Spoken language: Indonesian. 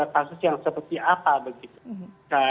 kasus yang seperti apa